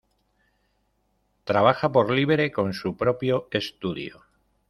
Trabaja por libre con su propio estudio.